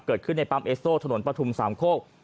เกิดขึ้นในปั๊มเอสโต้ถนนปฐุมสามโคก